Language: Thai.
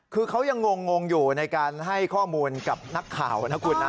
คือเขายังงงอยู่ในการให้ข้อมูลกับนักข่าวนะคุณนะ